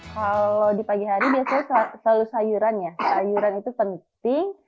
kalau di pagi hari biasanya selalu sayuran ya sayuran itu penting